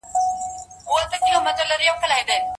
هغه چا چې مسواک وهلی و خوله یې پاکه وه.